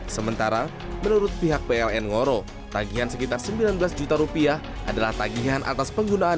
sementara menurut pihak pln ngoro tagihan sekitar sembilan belas juta rupiah adalah tagihan atas penggunaan